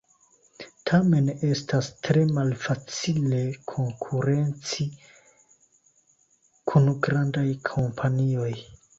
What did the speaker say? Tamen estas tre malfacile konkurenci kun grandaj kompanioj.